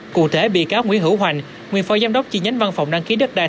cụ thể bị cáo nguyễn hữu hoành nguyên phó giám đốc chi nhánh văn phòng đăng ký đất đai